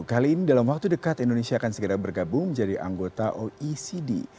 kali ini dalam waktu dekat indonesia akan segera bergabung menjadi anggota oecd